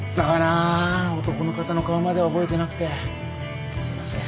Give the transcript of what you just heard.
あ男の方の顔までは覚えてなくてすいません。